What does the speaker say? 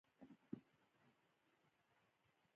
غازي محمد جان خان یو پیاوړی غازي او مجاهد وو.